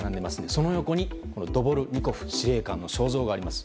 その横に、ドボルニコフ司令官の肖像画があります。